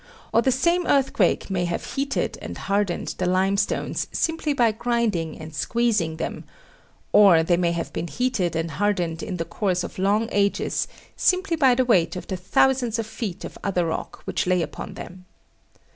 Or the same earthquake may have heated and hardened the limestones simply by grinding and squeezing them; or they may have been heated and hardened in the course of long ages simply by the weight of the thousands of feet of other rock which lay upon them.